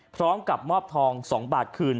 พร้อมกับมอบทอง๒บาทคืน